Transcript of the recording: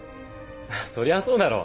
そりゃそうだろう。